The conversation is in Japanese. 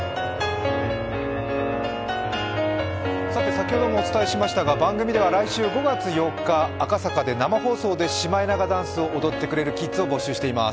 先ほどもお伝えしましたが番組では来週５月４日、赤坂で生放送でシマエナガダンスを踊ってくれるキッズを募集しています。